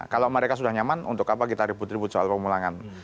kalau mereka sudah nyaman untuk apa kita ribut ribut soal pemulangan